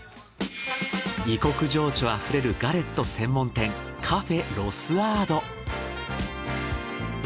異国情緒あふれるガレット専門店カフェロスアード。